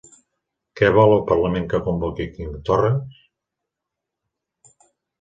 Què vol el parlament que convoqui Quim Torra?